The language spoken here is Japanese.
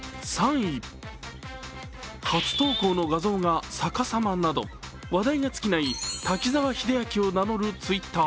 初投稿の画像が逆さまなど話題が尽きない滝沢秀明を名乗るＴｗｉｔｔｅｒ。